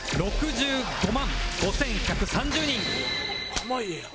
濱家やん。